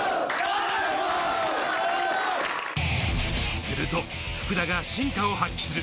すると福田が発揮する。